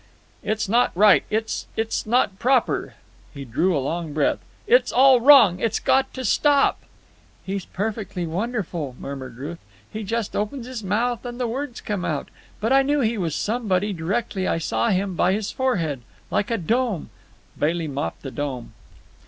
"It—it's not right. It—it's not proper." He drew a long breath. "It's all wrong. It's got to stop." "He's perfectly wonderful!" murmured Ruth. "He just opens his mouth and the words come out. But I knew he was somebody, directly I saw him, by his forehead. Like a dome!" Bailey mopped the dome.